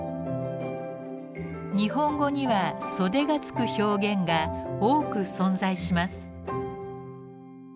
日本語には「袖」がつく表現が多く存在します。